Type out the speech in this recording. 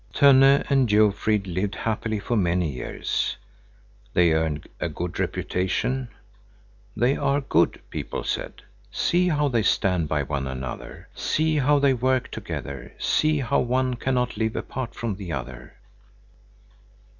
Tönne and Jofrid lived happily for many years. They earned a good reputation. "They are good," people said. "See how they stand by one another, see how they work together, see how one cannot live apart from the other!"